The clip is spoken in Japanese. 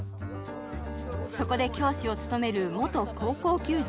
そこで教師を務める元高校球児